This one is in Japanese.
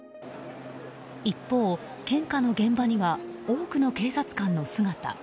一方、献花の現場には多くの警察官の姿。